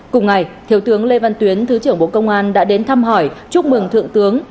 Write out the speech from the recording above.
cùng ngày thiếu tướng lê văn tuyến thứ trưởng bộ công an đã đến thăm hỏi chúc mừng thượng tướng